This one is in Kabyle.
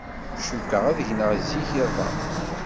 Cukkeɣ ad gneɣ zik iḍ-a.